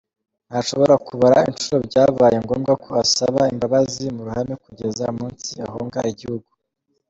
Ntashobora kubara inshuro byabaye ngombwa ko asaba imbabazi mu ruhame kugeza umunsi ahunga igihugu.